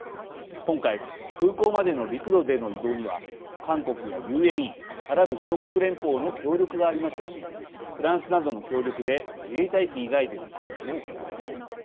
今回空港までの陸路での移動には韓国やＵＡＥ＝アラブ首長国連邦の協力がありましたしフランスなどの協力で自衛隊機以外での退避も行われました。